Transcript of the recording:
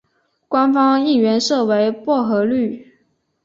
官方应援色为薄荷绿。